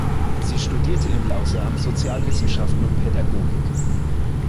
Sie studierte in Lausanne Sozialwissenschaften und Pädagogik.